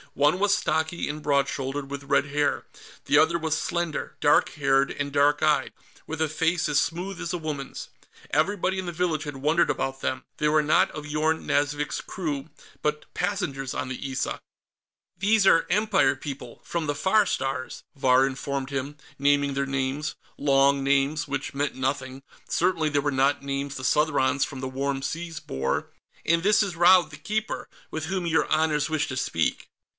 One was stocky and broad shouldered, with red hair; the other was slender, dark haired and dark eyed, with a face as smooth as a woman's. Everybody in the village had wondered about them. They were not of Yorn Nazvik's crew, but passengers on the Issa. "These are Empire people, from the Far Stars," Vahr informed him, naming their names. Long names, which meant nothing; certainly they were not names the Southrons from the Warm Seas bore. "And this is Raud the Keeper, with whom your honors wish to speak."